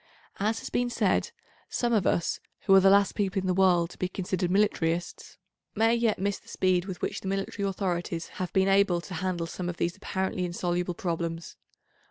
As has been said, some of us, who are the last people in the world to be considered militarists, may yet miss the speed with which the military authorities have been able to handle some of these apparently insoluble problems.